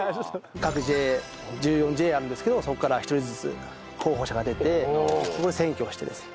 各ＪＡ１４ＪＡあるんですけどそこから１人ずつ候補者が出てそこで選挙をしてですね